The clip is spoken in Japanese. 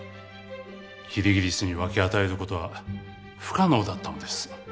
キリギリスに分け与える事は不可能だったのです。